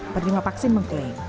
penerima vaksin mengklaim